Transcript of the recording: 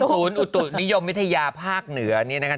สูญอุตุนิยมวิทยาศาสตร์ภาคเหนือนี้นะครับ